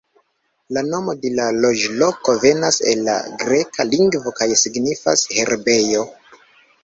La nomo de la loĝloko venas el la greka lingvo kaj signifas "herbejo".